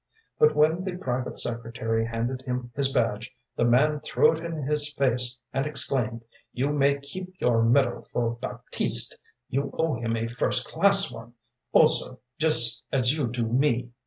But when the private secretary handed him his badge, the man threw it in his face and exclaimed: “'You may keep your medal for Baptiste. You owe him a first class one, also, just as you do me.'